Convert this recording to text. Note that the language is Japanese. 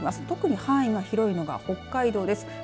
特に範囲が広いのが北海道です。